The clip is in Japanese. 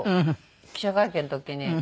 記者会見の時に。